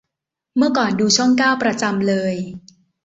เมื่อก่อนดูช่องเก้าประจำเลย